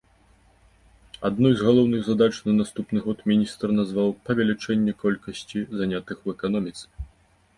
Адной з галоўных задач на наступны год міністр назваў павелічэнне колькасці занятых у эканоміцы.